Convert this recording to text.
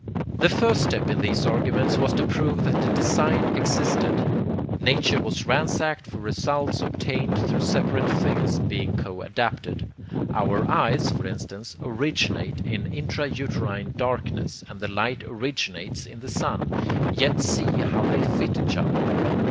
The first step in these arguments was to prove that the design existed. Nature was ransacked for results obtained through separate things being co adapted. Our eyes, for instance, originate in intra uterine darkness, and the light originates in the sun, yet see how they fit each other.